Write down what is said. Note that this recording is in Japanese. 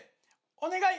「お願い！